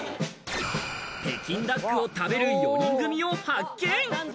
北京ダックを食べる４人組を発見。